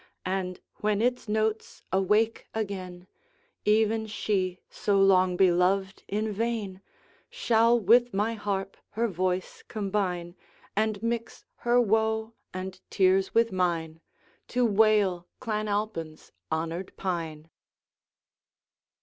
And, when its notes awake again, Even she, so long beloved in vain, Shall with my harp her voice combine, And mix her woe and tears with mine, To wail Clan Alpine's honoured Pine.'